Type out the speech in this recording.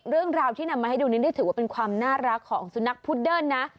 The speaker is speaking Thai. เรื่องราวที่นำมาให้ดูนี้ได้ถือว่าเป็นความน่ารักของสุนัขพุดเดิ้ลนะ